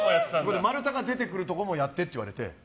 丸太が出てくるところもやってって言われて。